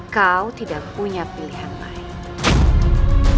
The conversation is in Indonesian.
kau tidak punya pilihan lain